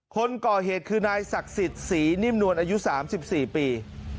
คนก่อเหตุคือนายศักดิ์สิทธิ์ศรีนิ่มนวลอายุ๓๔ปี